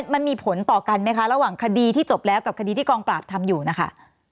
มันมีผลต่อกันไหมคะระหว่างคดีที่จบแล้วกับคดีที่กองปราบทำอยู่นะคะ